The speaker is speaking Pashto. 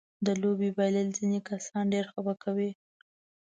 د لوبې بایلل ځينې کسان ډېر خپه کوي.